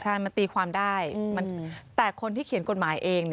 ใช่มันตีความได้แต่คนที่เขียนกฎหมายเอง